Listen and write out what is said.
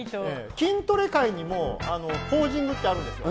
筋トレ界にもポージングってあるんですよ。